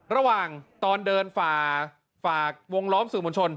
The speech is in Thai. ระหว่างตอนเดินฝากวงล้อมสื่อมวลชน